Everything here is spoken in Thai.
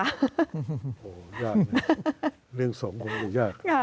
ยากเลยเรื่องสงฆ์ก็ไม่ได้ยาก